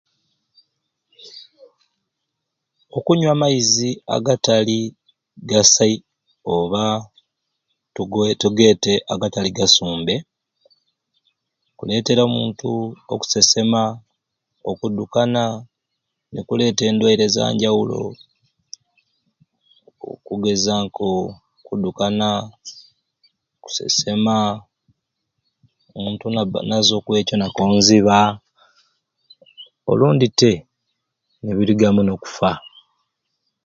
Okunywa amaizi agatali gasai oba tugete agatali gasumbe kuletera omuntu okusesema okudukana ne kuleeta endwaire ezanjawulo okugeza nko okudukana kusesema omuntu nazwa okwekyo nakonziba olundi tenebirugamu n'okufa